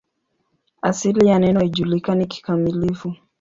Asili ya neno haijulikani kikamilifu.